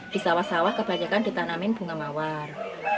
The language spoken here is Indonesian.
di sawah sawah kebanyakan ditanamin bunga mawar